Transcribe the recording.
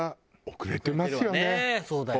そうだよね。